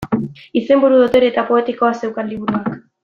Izenburu dotore eta poetikoa zeukan liburuak.